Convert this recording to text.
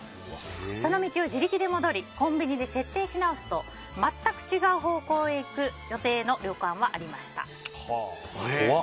その道を自力で戻りコンビニで設定し直すと全く違う方向へ行く予定の旅館はありました。